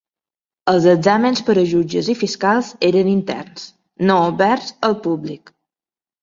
Els exàmens per a jutges i fiscals eren interns, no oberts al públic.